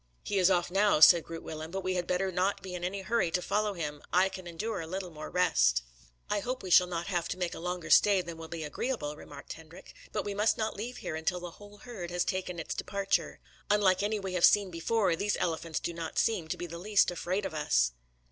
"He is off now," said Groot Willem, "but we had better not be in any hurry to follow him. I can endure a little more rest." "I hope we shall not have to make a longer stay than will be agreeable," remarked Hendrik. "But we must not leave here until the whole herd has taken its departure. Unlike any we have seen before, these elephants do not seem to be the least afraid of us."